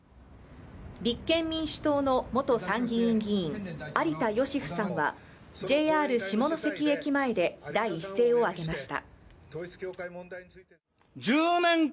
立憲民主党の元参議院議員有田芳生さんは、ＪＲ下関駅前で第一声をあげました。